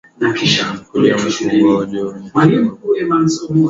Kulia mukongo nikuona pa kuuegamizia